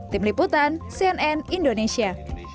tim liputan cnn indonesia